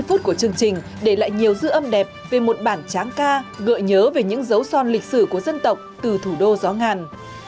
ba mươi phút của chương trình để lại nhiều dư âm đẹp về một bản tráng ca gợi nhớ về những dấu son lịch sử của dân tộc từ thủ đô gió ngàn